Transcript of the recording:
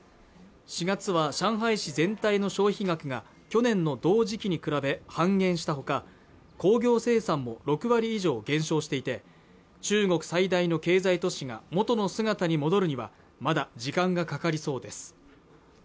４月は上海市全体の消費額が去年の同時期に比べ半減したほか工業生産も６割以上減少していて中国最大の経済都市が元の姿に戻るにはまだ時間がかかりそうです